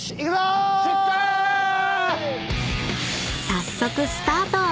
［早速スタート！］